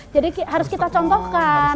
jadi harus kita contohkan